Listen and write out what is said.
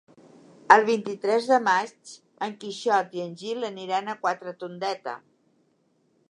El vint-i-tres de maig en Quixot i en Gil aniran a Quatretondeta.